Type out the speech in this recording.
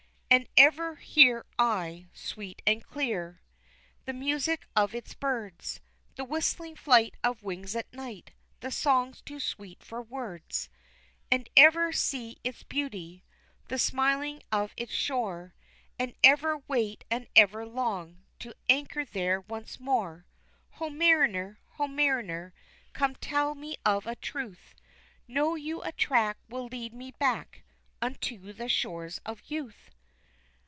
And ever hear I, sweet and clear, The music of its birds The whistling flight of wings at night The songs too sweet for words. And ever see its beauty, The smiling of its shore, And ever wait, and ever long To anchor there once more. Ho mariner! Ho mariner! Come tell me of a truth Know you a track will lead me back Unto the shores of youth?